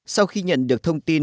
sau khi nhận được thông tin